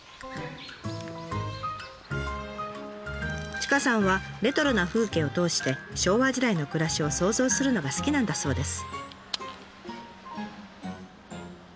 千賀さんはレトロな風景を通して昭和時代の暮らしを想像するのが好きなんだそうです。